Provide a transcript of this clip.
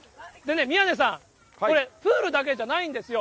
宮根さん、これ、プールだけじゃないんですよ。